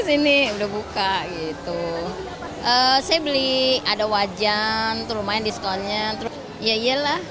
sini udah buka gitu saya beli ada wajan lumayan diskonnya terus ya iyalah